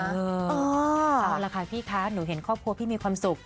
เอาล่ะค่ะพี่คะหนูเห็นครอบครัวพี่มีความสุข